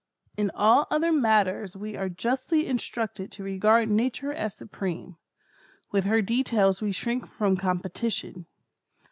In all other matters we are justly instructed to regard Nature as supreme. With her details we shrink from competition.